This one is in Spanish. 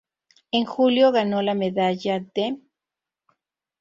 En Julio ganó la medalla de.